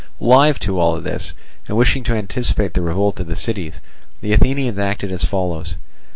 Alive to all this, and wishing to anticipate the revolt of the cities, the Athenians acted as follows.